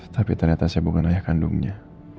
tapi ternyata saya bukan ayah kandungnya